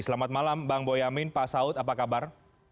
selamat malam bang boyamin pak saud apa kabar